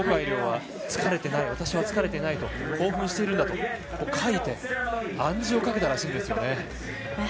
凌は、疲れていない私は疲れていない興奮しているんだと書いて暗示をかけたらしいんですよね。